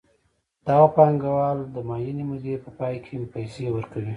دغه پانګوال د معینې مودې په پای کې پیسې ورکوي